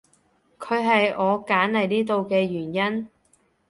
佢係我揀嚟呢度嘅原因